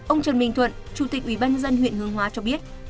ông trần minh thuận chủ tịch ủy ban dân huyện hương hóa cho biết